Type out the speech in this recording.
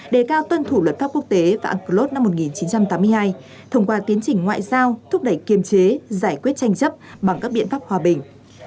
đề cao tuân thủ luật pháp quốc tế và unclos năm một nghìn chín trăm tám mươi hai thông qua tiến trình ngoại giao thúc đẩy kiềm chế giải quyết tranh chấp bằng các biện pháp hòa bình